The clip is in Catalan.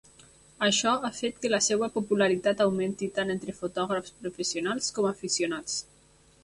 Això ha fet que la seva popularitat augmenti tant entre fotògrafs professionals com aficionats.